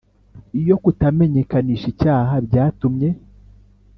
Iyo kutamenyekanisha icyaha byatumye